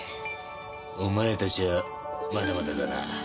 お前たちはまだまだだな。